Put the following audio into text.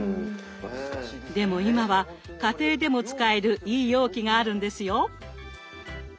でも今は家庭でも使えるいい容器があるんですよ。